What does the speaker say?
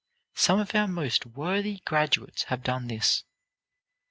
Some of our most worthy graduates have done this.